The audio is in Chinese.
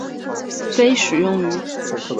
非食用鱼。